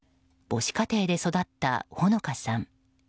母子家庭で育った穂野香さん。